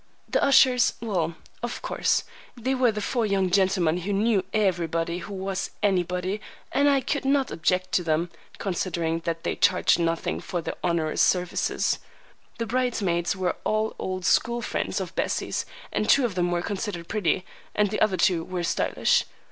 The ushers,—well, of course, they were the four young gentlemen who knew everybody who was anybody, and I could not object to them, considering that they charged nothing for their onerous services. The bridesmaids were all old school friends of Bessie's, and two of them were considered pretty, and the other two were stylish.